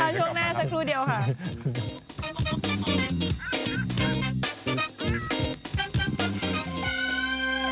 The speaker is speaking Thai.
ช่วยแม่สักครู่เดียวค่ะ